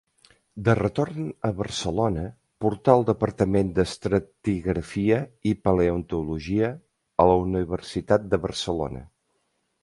De retorn a Barcelona, portà el Departament d'Estratigrafia i Paleontologia a la Universitat de Barcelona.